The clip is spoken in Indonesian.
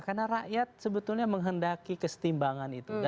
karena rakyat sebetulnya menghendaki kestimbangan itu